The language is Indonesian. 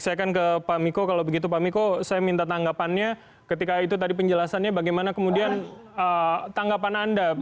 saya akan ke pak miko kalau begitu pak miko saya minta tanggapannya ketika itu tadi penjelasannya bagaimana kemudian tanggapan anda